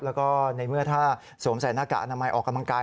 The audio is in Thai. แล้วก็ในเมื่อถ้าสวมใส่หน้ากากอนามัยออกกำลังกาย